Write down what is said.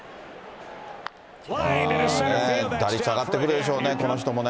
打率上がってくるでしょうね、この人もね。